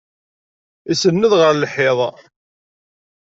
Isenned ɣer lḥiḍ.